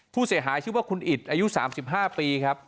ผู้เสียหายชื่อว่าคุณอิตอายุ๓๕ปีครับ